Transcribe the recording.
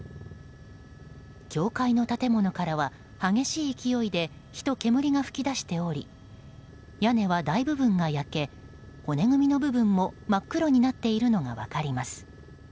教会の建物からは激しい勢いで火と煙が噴き出しており屋根は大部分が焼け骨組みの部分も真っ黒になっているのが分かります。